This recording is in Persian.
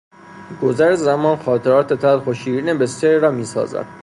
گذر زمان خاطرات تلخ و شیرین بسیاری را میسازد.